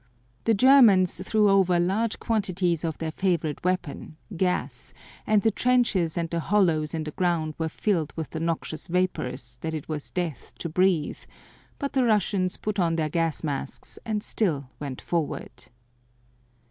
The Germans threw over large quantities of their favorite weapon, gas, and the trenches and the hollows in the ground were filled with the noxious vapors that it was death to breathe, but the Russians put on their gas masks and still went forward.